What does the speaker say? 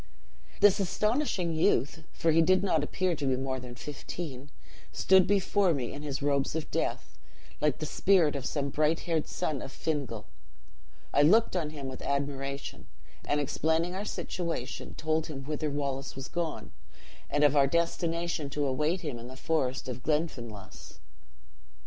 "This astonishing youth (for he did not appear to be more than fifteen) stood before me in his robes of death, like the spirit of some bright haired son of Fingal. I looked on him with admiration; and explaining our situation, told him whither Wallace was gone, and of our destination to await him in the forest of Glenfinlass.